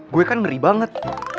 gue kan ngeri banget